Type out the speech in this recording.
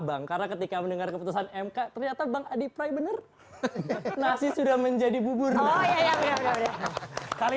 bang karena ketika mendengar keputusan mk ternyata bang adi prai bener nasi sudah menjadi bubur banyak kali